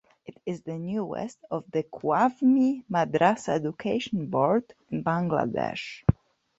It is the newest of the Qawmi Madrasa education boards in Bangladesh.